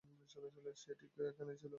সে ঠিক এখানেই ছিল।